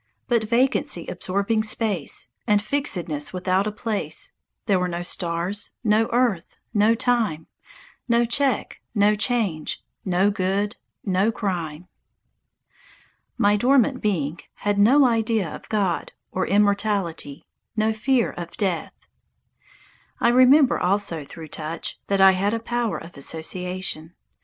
But vacancy absorbing space, And fixedness, without a place; There were no stars no earth no time No check no change no good no crime. My dormant being had no idea of God or immortality, no fear of death. I remember, also through touch, that I had a power of association.